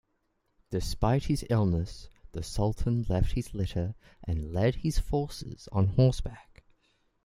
Despite his illness, the Sultan left his litter and led his forces on horseback.